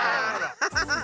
ハハハッ。